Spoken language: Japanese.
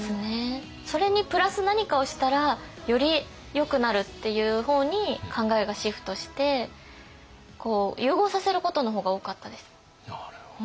それにプラス何かをしたらよりよくなるっていう方に考えがシフトして融合させることの方が多かったです。